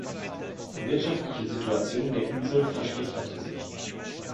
Die wirtschaftliche Situation der Inseln verschlechterte sich.